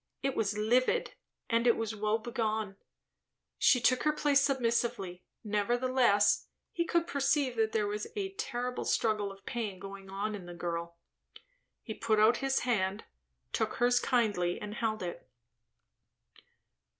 It was livid; and it was woe begone. She took her place submissively; nevertheless he could perceive that there was a terrible struggle of pain going on in the girl. He put out his hand, took hers kindly and held it.